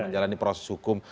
menjalani proses hukum